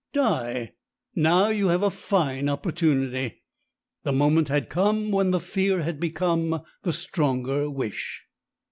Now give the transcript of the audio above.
Die! Now you have a fine opportunity!' The moment had come when the fear had become the stronger wish."